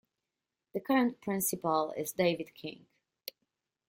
The current principal is David King.